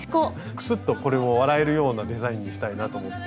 クスッとこれも笑えるようなデザインにしたいなと思って。